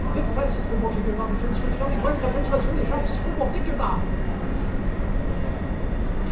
If Francis Fribble figured on a Frenchman's Filly, Where's the Frenchman's Filly Francis Fribble figured on?